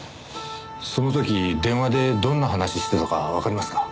その時電話でどんな話してたかわかりますか？